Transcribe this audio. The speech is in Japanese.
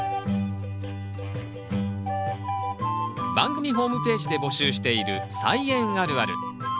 番組ホームページで募集している「菜園あるある」。